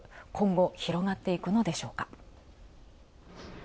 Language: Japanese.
今後、広がっていくのでしょうか？